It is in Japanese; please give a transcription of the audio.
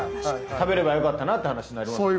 食べればよかったなって話になりますよね。